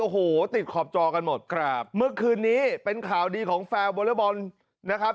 โอ้โหติดขอบจอกันหมดครับเมื่อคืนนี้เป็นข่าวดีของแฟนวอเลอร์บอลนะครับ